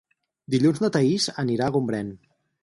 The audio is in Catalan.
Dilluns na Thaís anirà a Gombrèn.